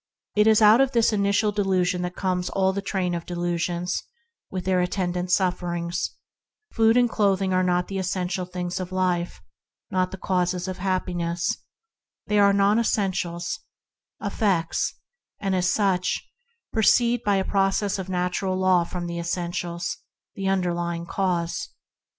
Out of this initial delusion comes all the train of delusions with their attend ant sufferings that obtains in the world around us. Food and clothing are not the essential things of life; not the causes of happiness. They are non essentials, effects, and, as such, proceed by a process of natural law from the essentials, the underlying cause.